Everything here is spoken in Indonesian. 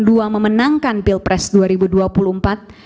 dan memastikan agar paslon dua memenangkan pilpres dua ribu dua puluh empat